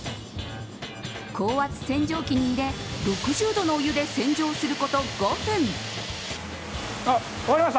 高圧洗浄機に入れ６０度のお湯で洗浄すること５分。